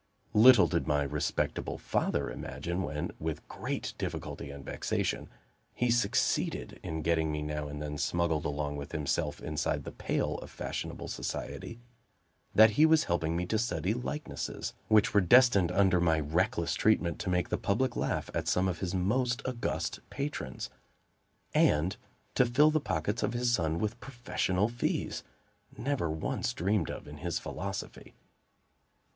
Little did my respectable father imagine when, with great difficulty and vexation, he succeeded in getting me now and then smuggled, along with himself, inside the pale of fashionable society that he was helping me to study likenesses which were destined under my reckless treatment to make the public laugh at some of his most august patrons, and to fill the pockets of his son with professional fees, never once dreamed of in his philosophy.